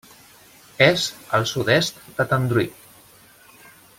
És al sud-est de Tendrui.